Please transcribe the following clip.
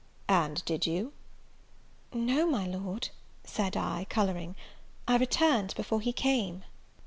"And did you?" "No, my Lord," said I, colouring, "I returned before he came."